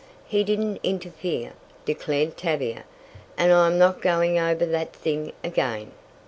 "He didn't interfere," declared Tavia, "and I am not going over that thing again."